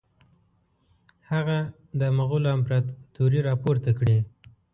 هغه د مغولو امپراطوري را پورته کړي.